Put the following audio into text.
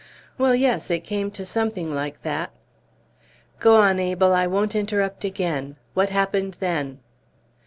"Well, yes, it came to something like that." "Go on, Abel. I won't interrupt again. What happened then?"